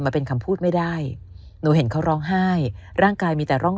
มาเป็นคำพูดไม่ได้หนูเห็นเขาร้องไห้ร่างกายมีแต่ร่อง